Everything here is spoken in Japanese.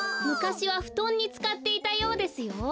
むかしはふとんにつかっていたようですよ。